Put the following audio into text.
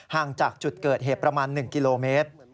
ห่างจากจุดเกิดเหตุประมาณ๑กิโลเมตร